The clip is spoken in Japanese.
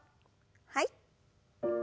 はい。